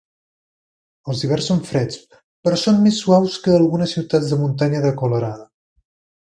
Els hiverns són freds, però són més suaus que a algunes ciutats de muntanya de Colorado.